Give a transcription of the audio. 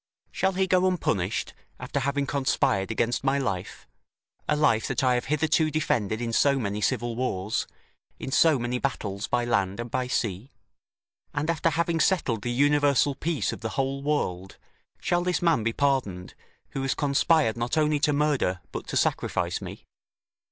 Shall he go unpunished, after having conspired against my life, a life that I have hitherto defended in so many civil wars, in so many battles by land and by sea? And after having settled the universal peace of the whole world, shall this man be pardoned, who has conspired not only to murder, but to sacrifice me?"